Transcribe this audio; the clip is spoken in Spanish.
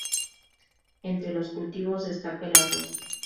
Entre los cultivos destaca el arroz.